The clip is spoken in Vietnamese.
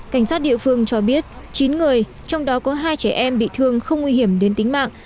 cảnh sát địa phương cho biết chín người trong đó có hai trẻ em bị thương không nguy hiểm đến tính mạng